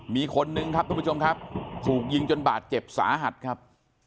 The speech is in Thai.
มีคนนึงครับทุกผู้ชมครับถูกยิงจนบาดเจ็บสาหัสครับ